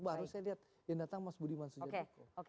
baru saya lihat yang datang mas budiman sejak toko